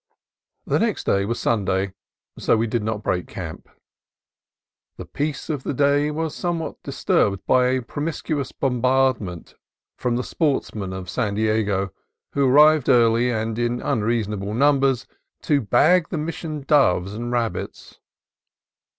The next day was Sunday, so we did not break camp. The peace of the day was somewhat dis turbed by a promiscuous bombardment from the sportsmen of San Diego, who arrived early, and in unreasonable numbers, to bag the Mission doves and rabbits.